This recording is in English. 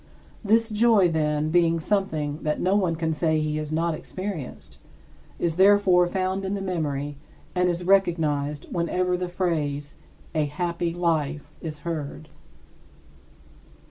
This joy, then, being something that no one can say he has not experienced, is therefore found in the memory and it is recognized whenever the phrase "a happy life" is heard.